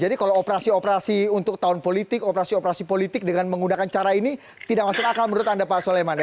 jadi kalau operasi operasi untuk tahun politik operasi operasi politik dengan menggunakan cara ini tidak masuk akal menurut anda pak soleman ya